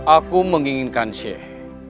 aku menginginkan syekh